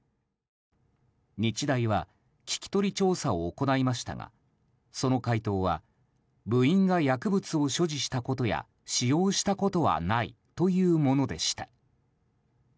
日大は聞き取り調査を行いましたがその回答は部員が薬物を所持していたことや使用したことはないというものでした。